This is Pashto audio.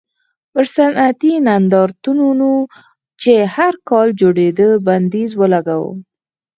پر صنعتي نندارتونونو چې هر کال جوړېدل بندیز ولګاوه.